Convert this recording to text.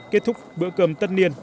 kết thúc bữa cơm tất niên